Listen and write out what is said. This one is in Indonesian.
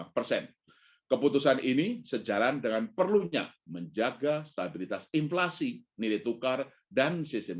lima puluh persen keputusan ini sejalan dengan perlunya menjaga stabilitas inflasi nilai tukar dan sistem